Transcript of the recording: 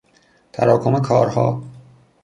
تراکم کارها